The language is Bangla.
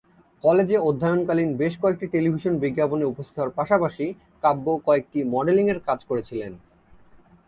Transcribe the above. কলেজে অধ্যয়নকালীন বেশ কয়েকটি টেলিভিশন বিজ্ঞাপনে উপস্থিত হওয়ার পাশাপাশি কাব্য কয়েকটি মডেলিংয়ের কাজ করেছিলেন।